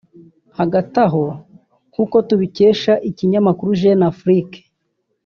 Hagati aho nk’uko tubikesha Ikinyamakuru Jeune Afrique